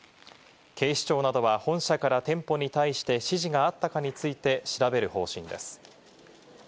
警視庁などは本社から店舗に対して指示があったかについて調べる方針です。